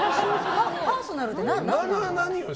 パーソナルって。